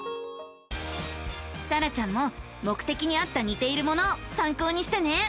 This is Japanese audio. さらちゃんももくてきにあったにているものをさんこうにしてね。